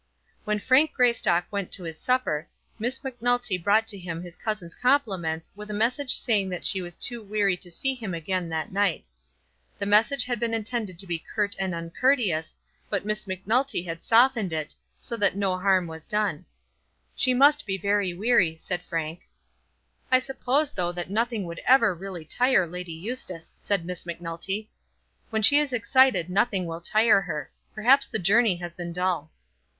When Frank Greystock went to his supper, Miss Macnulty brought to him his cousin's compliments with a message saying that she was too weary to see him again that night. The message had been intended to be curt and uncourteous, but Miss Macnulty had softened it, so that no harm was done. "She must be very weary," said Frank. "I suppose though that nothing would ever really tire Lady Eustace," said Miss Macnulty. "When she is excited nothing will tire her. Perhaps the journey has been dull."